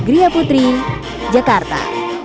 ria putri jakarta